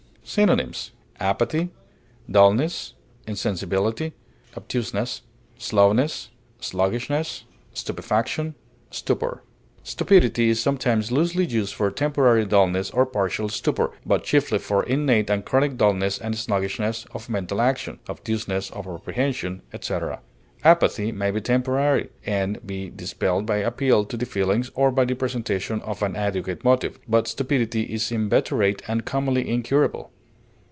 Synonyms: apathy, insensibility, slowness, stupefaction, dulness, obtuseness, sluggishness, stupor. Stupidity is sometimes loosely used for temporary dulness or partial stupor, but chiefly for innate and chronic dulness and sluggishness of mental action, obtuseness of apprehension, etc. Apathy may be temporary, and be dispelled by appeal to the feelings or by the presentation of an adequate motive, but stupidity is inveterate and commonly incurable.